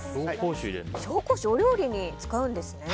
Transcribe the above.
紹興酒をお料理に使うんですね。